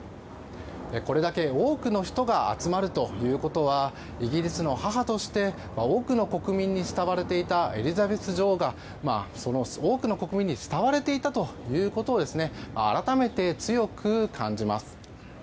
これだけ多くの人が集まるということはイギリスの母として多くの国民に慕われていたエリザベス女王が、多くの国民に慕われていたということを改めて強く感じます。